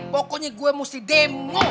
pokoknya gue mesti demo